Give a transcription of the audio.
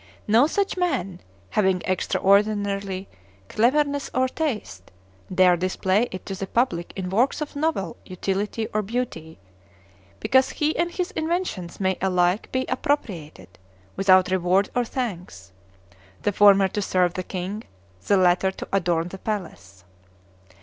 No such man, having extraordinary cleverness or taste, dare display it to the public in works of novel utility or beauty; because he and his inventions may alike be appropriated, without reward or thanks, the former to serve the king, the latter to adorn the palace.